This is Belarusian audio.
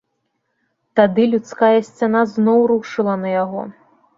Тады людская сцяна зноў рушыла на яго.